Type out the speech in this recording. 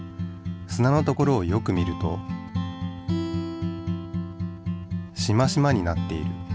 すなの所をよく見るとしましまになっている。